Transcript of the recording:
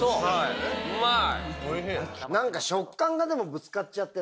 うまい！